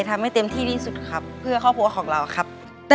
ทำให้เต็มที่ที่สุดครับเพื่อครอบครัวของเราครับ